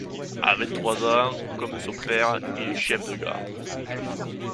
À vingt-trois ans, comme son père, il est chef de gare.